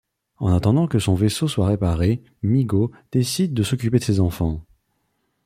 En attendant que son vaisseau soit réparé, Meego décide de s'occuper de ces enfants.